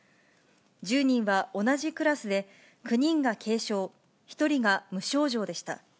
１０人は同じクラスで、９人が軽症、１人が無症状でした。